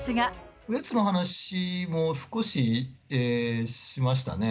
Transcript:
おやつの話も少ししましたね。